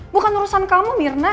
bukan urusan kamu mirna